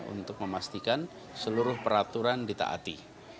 untuk memastikan seluruh peraturan ditaati